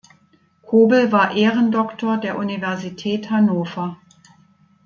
Kobel war Ehrendoktor der Universität Hannover.